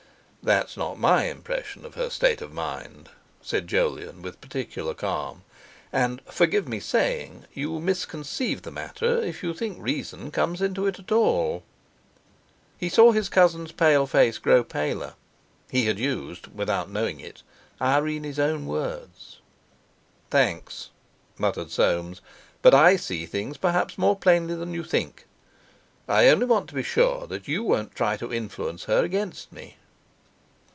"That's not my impression of her state of mind," said Jolyon with particular calm. "And, forgive my saying, you misconceive the matter if you think reason comes into it at all." He saw his cousin's pale face grow paler—he had used, without knowing it, Irene's own words. "Thanks," muttered Soames, "but I see things perhaps more plainly than you think. I only want to be sure that you won't try to influence her against me."